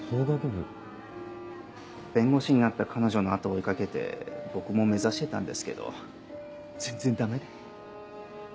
弁護士になった彼女の後追い掛けて僕も目指してたんですけど全然ダメで。